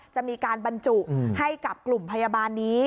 จะมีการบรรจุให้กับกลุ่มพยาบาลนี้